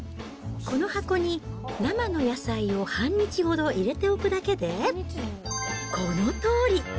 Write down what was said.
この箱に生の野菜を半日ほど入れておくだけで、このとおり。